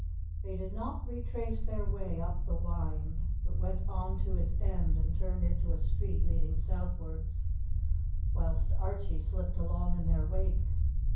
They did not retrace their way up the Wynd, but went on to its end and turned into a street leading southwards, whilst Archie slipped along in their wake.